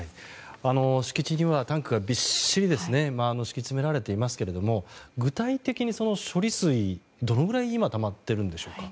敷地にはタンクがびっしり敷き詰められていますけれども具体的に処理水はどのぐらい今たまってるんでしょうか。